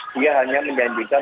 dia hanya menjanjikan